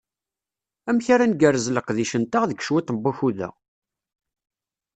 Amek ara ngerrez leqdic-nteɣ deg cwiṭ n wakud-a?